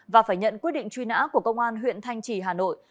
và phải nhận quyết định truy nã của công an huyện thanh trì hà nội